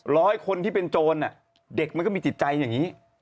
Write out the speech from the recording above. ร้อยคนที่เป็นโจรเด็กมันก็มีจิตใจอย่างนี้